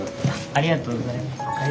ありがとうございます。